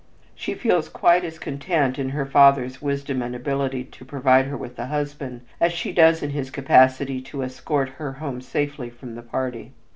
She feels quite as content in her father's wisdom and ability to provide her with a husband as she does in his capacity to escort her home safely from the party.